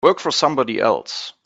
Work for somebody else.